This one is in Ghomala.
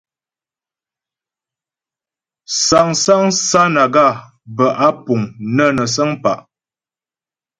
Sáŋsaŋ sánaga bə́ á puŋ nə́ nə səŋ bəŋ pa'.